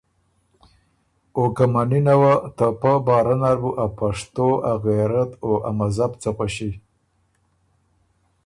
او که منِنه وه، ته پۀ بارۀ نر بُو ا پشتو ا غېرت او ا مذهب څه غؤݭی۔